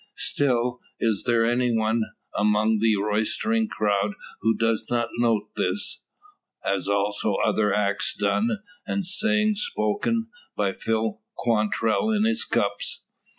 Still, is there one among the roystering crowd who does note this; as also other acts done, and sayings spoken, by Phil Quantrell in his cups.